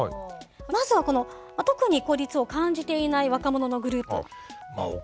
まずはこの特に孤立を感じていない若者のグループ。